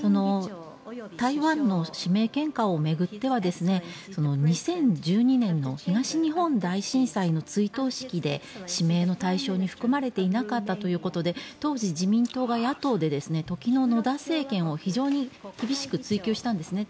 台湾の指名献花を巡っては２０１２年の東日本大震災の追悼式で指名の対象に含まれていなかったということで当時、自民党が野党で時の野田政権を非常に厳しく追及したんですね。